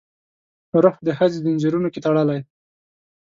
روح د ښځې ځنځیرونو کې تړلی